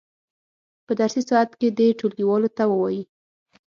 په درسي ساعت کې دې ټولګیوالو ته ووایي.